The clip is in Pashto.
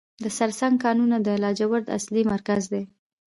د سرسنګ کانونه د لاجوردو اصلي مرکز دی.